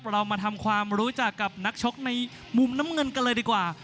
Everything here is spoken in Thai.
เรามาทำความรู้จักกับนักชกในมุมน้ำเงินกันเลยดีกว่า